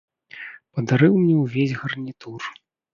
Падарыў мне ўвесь гарнітур.